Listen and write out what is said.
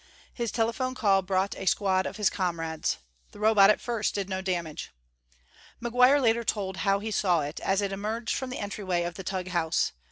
His telephone call brought a squad of his comrades. The Robot at first did no damage. McGuire later told how he saw it as it emerged from the entryway of the Tugh house.